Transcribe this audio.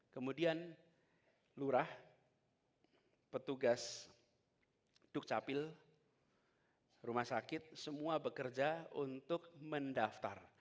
kemudian lurah petugas dukcapil rumah sakit semua bekerja untuk mendaftar